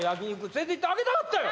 連れていってあげたかったよ